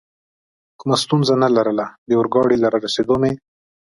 کومه ستونزه نه لرله، د اورګاډي له رارسېدو مې.